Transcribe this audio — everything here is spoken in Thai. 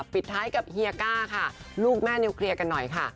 ปิดท้ายกับเฮียก้าค่ะลูกแม่นิวเคลียร์กันหน่อยค่ะ